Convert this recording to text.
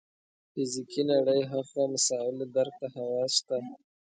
فزیکي نړۍ هاخوا مسایلو درک ته حواس شته.